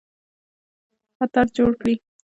خطر جوړ کړي.